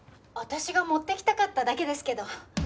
私が持ってきたかっただけですけど。